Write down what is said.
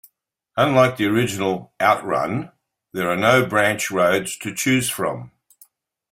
Unlike the original "Out Run", there are no branch roads to choose from.